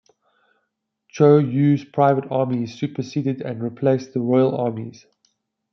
Choe U's private armies superseded and replaced the Royal armies.